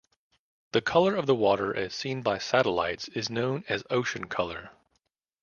The color of the water as seen by satellites is known as ocean color.